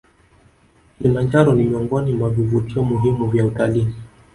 kilimanjaro ni miongoni mwa vivutio muhimu vya utalii